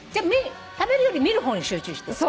食べるより見る方に集中してる？